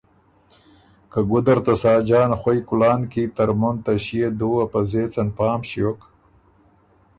که ګُده ر ته ساجان خوَئ کُلان کی ترمُن ته ݭيې دُوه په زېڅن پام ݭیوک